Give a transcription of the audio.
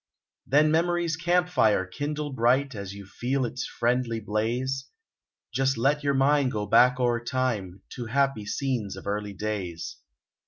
Then memory's camp fire kindle bright And as you feel its friendly blaze, Just let your mind go back o'er time To happy scenes of early days.